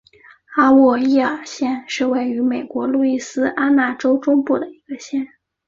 阿沃耶尔县是位于美国路易斯安那州中部的一个县。